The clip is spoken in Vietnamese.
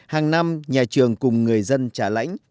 hàng năm nhà trường cùng người dân trà lãnh